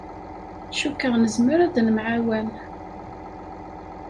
Cukkeɣ nezmer ad nemɛawan.